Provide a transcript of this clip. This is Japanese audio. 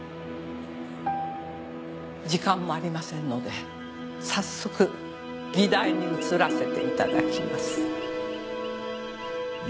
時間もありませんので早速議題に移らせていただきます。